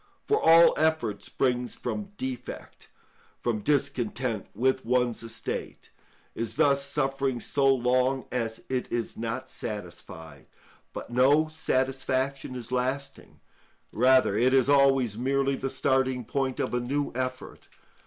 For all effort springs from defect—from discontent with one's estate—is thus suffering so long as it is not satisfied; but no satisfaction is lasting, rather it is always merely the starting point of a new effort.